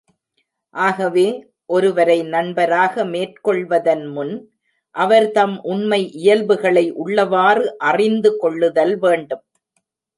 ஆகவே, ஒருவரை நண்பராக மேற்கொள்வதன் முன், அவர் தம் உண்மை இயல்புகளை உள்ளவாறு அறிந்து கொள்ளுதல் வேண்டும்.